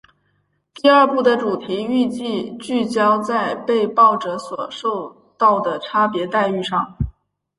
第二部的主题预计聚焦在被爆者所受到的差别待遇上。